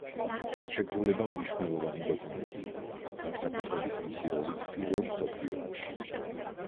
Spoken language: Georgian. ხელშეკრულება მნიშვნელოვანი დოკუმენტი იყო, განსაკუთრებით მისი როლით პირველ მსოფლიო ომში.